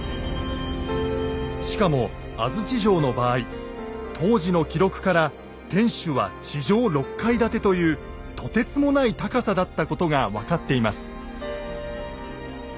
しかも安土城の場合当時の記録から天主は地上６階建てというとてつもない高さだったことが分かっています。